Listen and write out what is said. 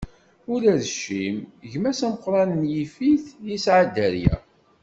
Ula d Cim, gma-s ameqran n Yifit, isɛa dderya.